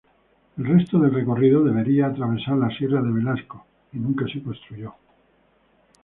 El resto del recorrido debería atravesar la Sierra de Velasco y nunca se construyó.